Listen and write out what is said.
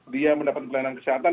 dia mendapat pelayanan kesehatan